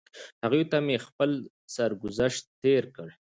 هغوی ته مې خپل سرګذشت تېر کړ.